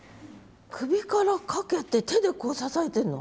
首からかけて手でこう支えてるの？